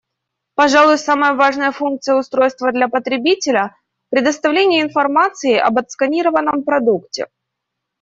Пожалуй, самая важная функция устройства для потребителя — предоставление информации об отсканированном продукте.